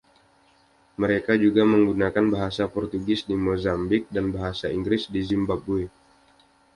Mereka juga menggunakan bahasa Portugis di Mozambik dan bahasa Inggris di Zimbabwe.